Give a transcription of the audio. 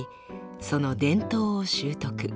その伝統を習得。